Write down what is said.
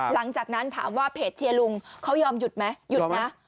หลังจากนั้นถามว่าเพจเชียร์ลุงเขายอมหยุดไหมหยุดนะ